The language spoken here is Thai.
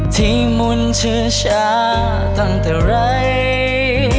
ที่มุนเชื้อชาตั้งแต่ไร